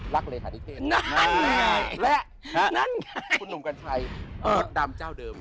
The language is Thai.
รักเลยฐานิเทศนั่นไงและนั่นไงคุณหนุ่มกัญชัยดำเจ้าเดิม